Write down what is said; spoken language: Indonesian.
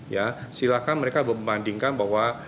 ya silahkan mereka membandingkan bahwa